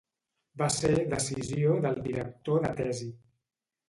Va ser decisió del director de tesi.